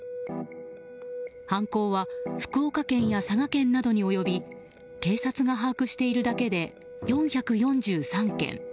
犯行は、福岡県や佐賀県などに及び警察が把握しているだけで４４３件。